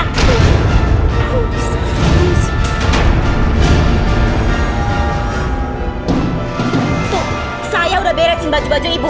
tuh saya udah beresin baju baju ibu